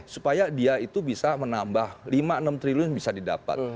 supaya dia itu bisa menambah lima enam triliun bisa didapat